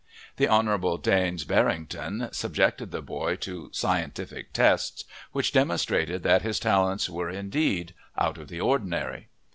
The Hon. Daines Barrington subjected the boy to "scientific tests," which demonstrated that his talents were, indeed, "out of the ordinary."